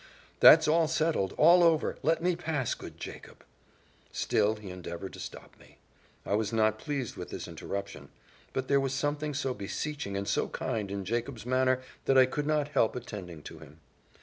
"That's all settled all over let me pass, good Jacob." Still he endeavoured to stop me. I was not pleased with this interruption. But there was something so beseeching and so kind in Jacob's manner that I could not help attending to him.